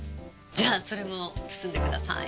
じゃあそれも包んでください。